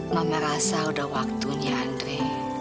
mama rasa sudah waktunya andre